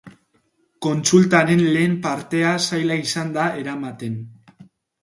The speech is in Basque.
Kontsultaren lehen partea zaila izan da eramaten.